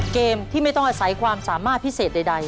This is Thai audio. เกมที่ไม่ต้องอาศัยความสามารถพิเศษใด